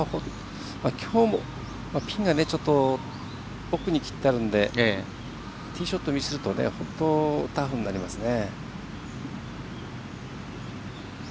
きょうはピンが奥に切ってあるのでティーショットミスると本当にタフになりますね。